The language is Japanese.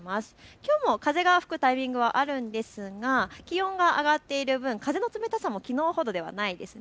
きょうも風が吹くタイミングはあるんですが気温が上がっている分、風の冷たさもきのうほどではないですね。